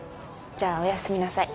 じゃあお休みなさい。